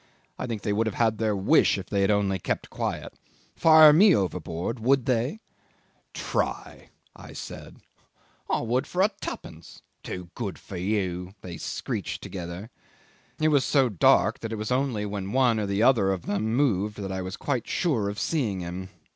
I think they would have had their wish if they had only kept quiet. Fire me overboard! Would they? 'Try,' I said. 'I would for twopence.' 'Too good for you,' they screeched together. It was so dark that it was only when one or the other of them moved that I was quite sure of seeing him.